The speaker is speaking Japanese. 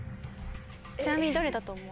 ちなみにどれだと思う？